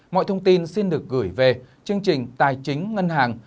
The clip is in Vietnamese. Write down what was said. mọi thông tin xin được gửi về chương trình tài chính ngân hàng